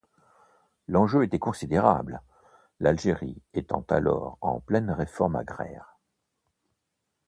L'enjeu était considérable, l'Algérie étant alors en pleine réforme agraire.